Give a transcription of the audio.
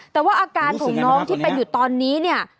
แต่ว่าอาการของน้องที่เป็นอยู่ตอนนี้เนี่ย